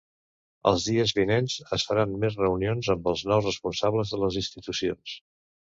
Els dies vinents es faran més reunions amb els nous responsables de les institucions.